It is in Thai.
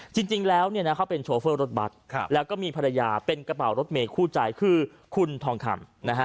จริงแล้วเขาเป็นโชเฟอร์รถบัตรแล้วก็มีภรรยาเป็นกระเป๋ารถเมย์คู่ใจคือคุณทองคำนะฮะ